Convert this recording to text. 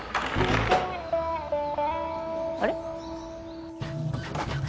あれ？